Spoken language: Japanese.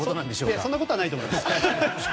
いや、そんなことはないと思います。